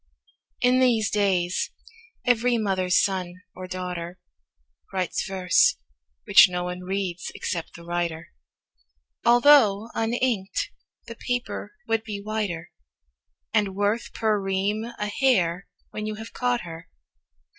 . IN these days, every mother's son or daughter Writes verse, which no one reads except the writer, Although, uninked, the paper would be whiter, And worth, per ream, a hare, when you have caught her.